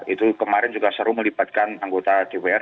itu kemarin juga seru melibatkan anggota dpr